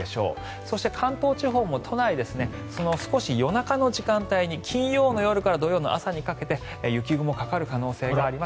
そして関東地方も都内、少し、夜中の時間帯に金曜日の夜から土曜日の朝にかけて雪雲がかかる可能性があります。